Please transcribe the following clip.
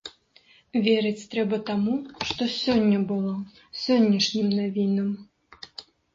Верыць трэба таму, што сёння было, сённяшнім навінам.